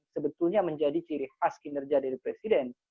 sebetulnya menjadi ciri khas kinerja dari presiden